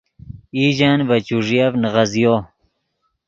ایژن ڤے چوݱیف نیغزیو